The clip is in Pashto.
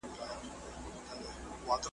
ښځي هم شیریني ورکړله محکمه .